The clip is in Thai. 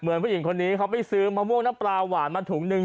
ผู้หญิงคนนี้เขาไปซื้อมะม่วงน้ำปลาหวานมาถุงนึง